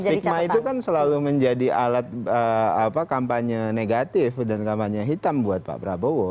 stigma itu kan selalu menjadi alat kampanye negatif dan kampanye hitam buat pak prabowo